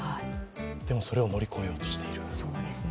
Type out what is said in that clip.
でもそれを乗り越えようとしている。